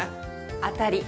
当たり。